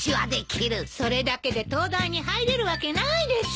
それだけで東大に入れるわけないでしょ。